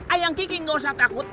ayang kiki gak usah takut